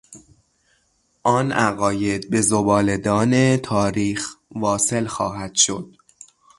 آن عقاید به زباله دان تاریخ واصل خواهد شد.